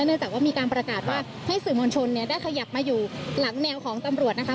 เนื่องจากว่ามีการประกาศว่าให้สื่อมวลชนเนี่ยได้ขยับมาอยู่หลังแนวของตำรวจนะคะ